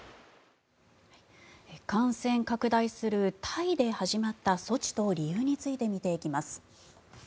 感染拡大するタイで始まった措置と理由について見ていきます。